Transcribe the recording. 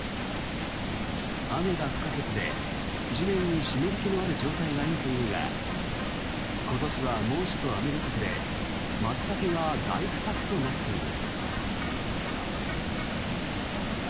雨が不可欠で地面に湿り気のある状態がいいというが今年は猛暑と雨不足でマツタケが大不作となっている。